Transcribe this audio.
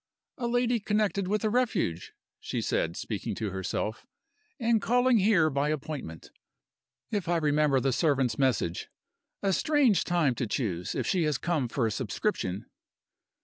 "A lady connected with a Refuge?" she said, speaking to herself; "and calling here by appointment if I remember the servant's message? A strange time to choose, if she has come for a subscription!"